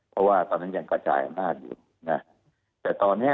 เพราะว่าตอนนั้นยังกระจายอำนาจอยู่นะแต่ตอนเนี้ย